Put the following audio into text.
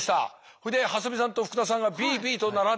それで蓮見さんと福田さんがＢＢと並んでいる。